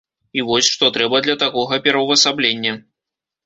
І вось што трэба для такога пераўвасаблення.